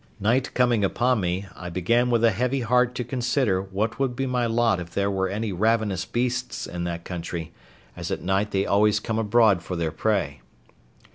Night coming upon me, I began with a heavy heart to consider what would be my lot if there were any ravenous beasts in that country, as at night they always come abroad for their prey.